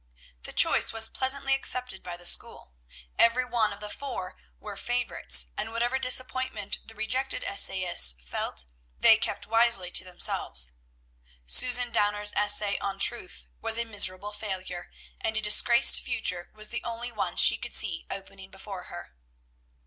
The choice was pleasantly accepted by the school. Every one of the four were favorites, and whatever disappointment the rejected essayists felt, they kept wisely to themselves. Susan Downer's essay on "Truth" was a miserable failure, and a disgraced future was the only one she could see opening before her.